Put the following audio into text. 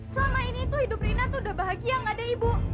selama ini tuh hidup rina tuh udah bahagia gak deh ibu